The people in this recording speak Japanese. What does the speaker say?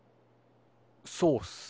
そうっすね。